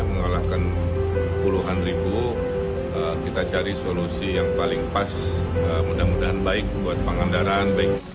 mengalahkan puluhan ribu kita cari solusi yang paling pas mudah mudahan baik buat pangandaran baik